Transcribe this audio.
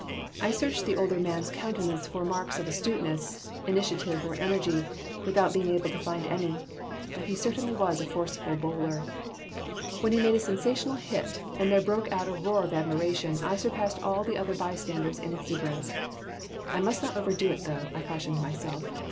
I searched the older man's countenance for marks of astuteness, initiative, or energy, without being able to find any. But he certainly was a forcible bowler When he made a sensational hit and there broke out a roar of admiration I surpassed all the other bystanders in exuberance. "I must not overdo it, though," I cautioned myself.